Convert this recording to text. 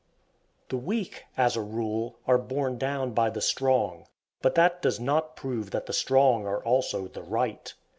The weak, as a rule, are borne down by the strong; but that does not prove that the strong are also the right.